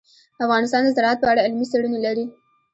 افغانستان د زراعت په اړه علمي څېړنې لري.